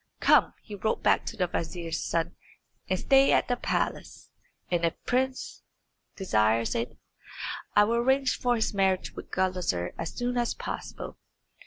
"Come," he wrote back to the vizier's son, "and stay at the palace. And if the prince desires it, I will arrange for his marriage with Gulizar as soon as possible."